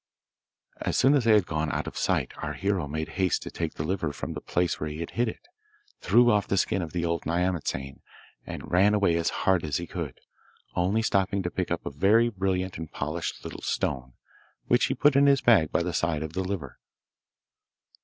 As soon as they had gone out of sight our hero made haste to take the liver from the place where he had hid it, threw off the skin of the old nyamatsane, and ran away as hard as he could, only stopping to pick up a very brilliant and polished little stone, which he put in his bag by the side of the liver.